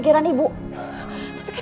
agar ibu bisa melindungi pikiran ibu